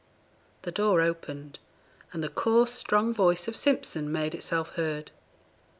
The door opened, and the coarse strong voice of Simpson made itself heard.